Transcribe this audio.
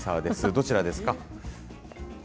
どちらですか。